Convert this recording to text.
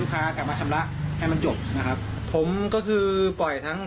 ค้ากลับมาชำระให้มันจบนะครับผมก็คือปล่อยทั้ง